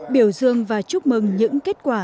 biểu dương và chúc mừng những kết quả